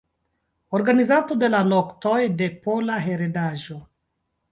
Organizanto de la Noktoj de Pola Heredaĵo.